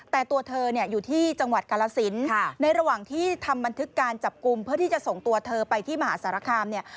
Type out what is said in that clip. แต่ตัวเธอเนี่ยอยู่ที่จังหวัดกาลสินในระหว่างที่ทำบันทึกการจับกลุ่มเพื่อที่จะส่งตัวเธอไปที่มหาสารคามเนี่ย